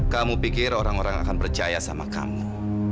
kamu pikir orang orang akan percaya sama kamu